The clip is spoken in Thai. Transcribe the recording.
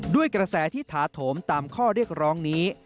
ด้วยกระแสที่ถาโถมตามข้อเรียกร้องนี้